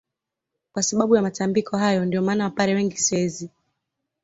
Kwa sababu ya matambiko hayo ndio maana wapare wengi si wezi